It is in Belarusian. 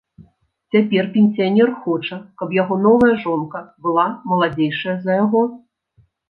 Цяпер пенсіянер хоча, каб яго новая жонка была маладзейшая за яго.